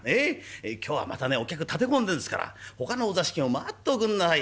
今日はまたねお客立て込んでんですからほかのお座敷も回っておくんなさい。